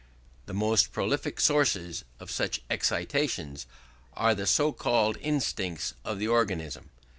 The most prolific sources of such excitations are the so called instincts of the organism....